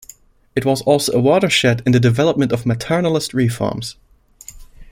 It was also a watershed in the development of maternalist reforms.